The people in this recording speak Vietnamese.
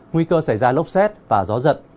nguy cơ xảy ra lốc xét và gió giật